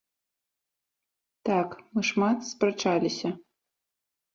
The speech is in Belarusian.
Так, мы шмат спрачаліся.